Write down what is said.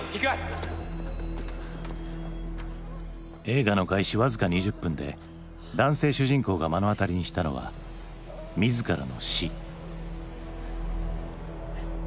映画の開始僅か２０分で男性主人公が目の当たりにしたのは自らの死。